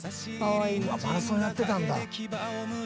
うわマラソンやってたんだ。